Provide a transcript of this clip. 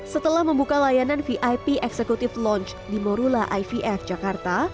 setelah membuka layanan vip executive lounge di morula ivf jakarta